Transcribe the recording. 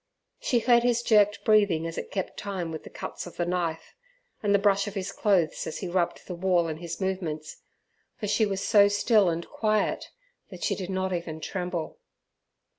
She heard his jerked breathing as it kept time with the cuts of the knife, and the brush of his clothes as he rubbed the wall in his movements, for she was so still and quiet, that she did not even tremble.